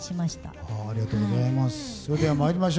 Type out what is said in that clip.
ありがとうございます。